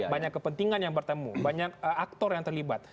banyak kepentingan yang bertemu banyak aktor yang terlibat